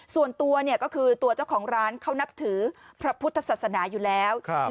ส่วนตัวเนี่ยก็คือตัวเจ้าของร้านเขานับถือพระพุทธศาสนาอยู่แล้ว